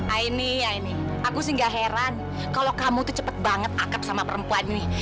aini aini aku sih gak heran kalau kamu tuh cepet banget akab sama perempuan ini